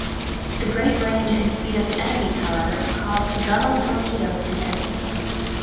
The great range and speed of the enemy, however, caused "Gunnel"'s torpedoes to miss.